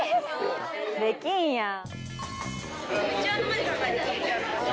できんやん。